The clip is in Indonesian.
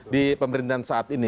di pemerintahan saat ini